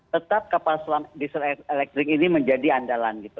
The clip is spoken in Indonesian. tetap kapal selam disel elek ini menjadi andalan gitu